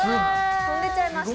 飛んでっちゃいました。